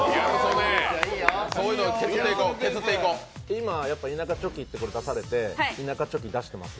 今、田舎チョキって出されて、田舎チョキ出してます？